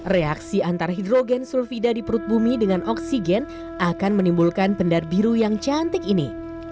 reaksi antar hidrogen sulfida di perut bumi dengan oksigen akan menimbulkan pendar biru yang cantik ini